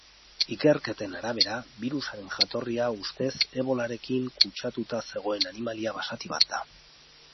Ikerketen arabera, birusaren jatorria ustez ebolarekin kutsatuta zegoen animalia basati bat da.